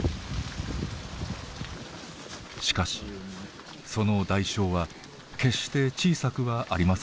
しかしその代償は決して小さくはありませんでした。